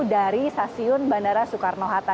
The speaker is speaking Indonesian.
dari stasiun bandara soekarno hatta